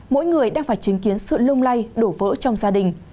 mỗi người đang phải chứng kiến sự lung lay đổ vỡ trong gia đình